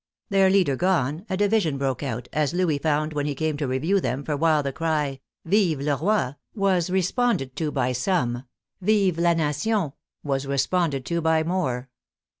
Their leader gone, a division broke out, as Louis found when he came to review them, for while the cry, " Vive le roi !" was responded to by some, " Vive la nation !" was responded to by more.